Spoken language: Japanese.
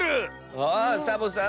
あサボさん